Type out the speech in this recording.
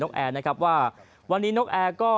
นกแอร์ว่าวันนี้นกแอร์ก็